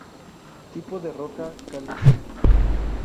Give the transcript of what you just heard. Tipo de roca: Caliza.